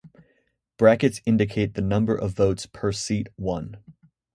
Brackets indicate the number of votes per seat won.